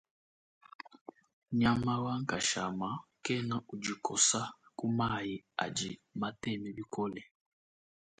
Nyama wa nkashama kena udi kosa ku mayi adi mateme bikole.